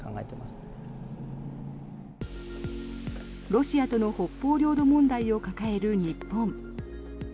ロシアとの北方領土問題を抱える日本。